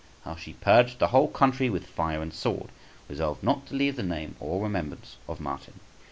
How she purged the whole country with fire and sword, resolved not to leave the name or remembrance of Martin.